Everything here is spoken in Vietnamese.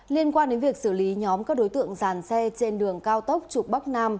liên quan đến việc xử lý nhóm các đối tượng giàn xe trên đường cao tốc trục bắc nam